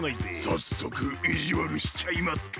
さっそくいじわるしちゃいますか！